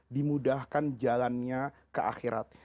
dimudahkan jalannya ke akhirat